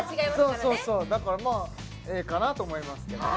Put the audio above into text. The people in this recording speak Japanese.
そうそうそうだからまあＡかなと思いますけどね